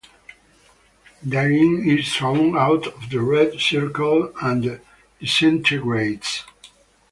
Darin is thrown out of the red circle and disintegrates.